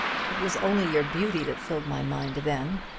It was only your beauty that filled my mind then.